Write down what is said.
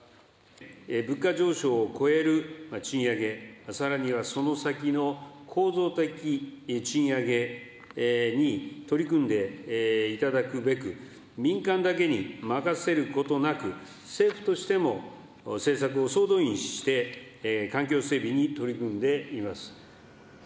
物価上昇を超える賃上げ、さらには、その先の構造的賃上げに取り組んでいただくべく、民間だけに任せることなく、政府としても政策を総動員して、環境整備に取り組んでいます。